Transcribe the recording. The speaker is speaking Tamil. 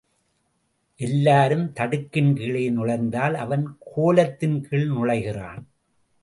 எல்லாரும் தடுக்கின் கீழே நுழைந்தால் அவன் கோலத்தின் கீழ் நுழைகிறான்.